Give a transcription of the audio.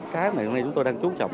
cái này chúng tôi đang chú trọng